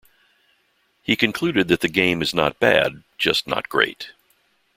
He concluded that The game is not bad, just not great.